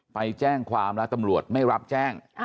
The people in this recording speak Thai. ไปแจ้งความแล้วตำรวจไม่รับแจ้ง